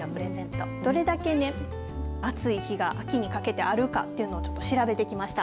どれだけ暑い日が秋にかけてあるかというのも調べてみました。